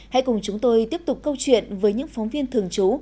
hãy cùng chúng tôi tiếp tục câu chuyện với những phóng viên thường trú